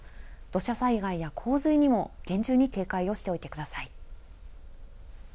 土砂災害や洪水にも厳重に警戒をしておいてください。